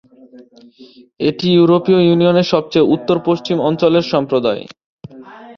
এটি ইউরোপীয় ইউনিয়নের সবচেয়ে উত্তর-পশ্চিম অঞ্চলের সম্প্রদায়।